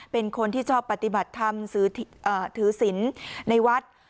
เป็นคนที่ชอบปฏิบัติธรรมถือศิลป์ในวัด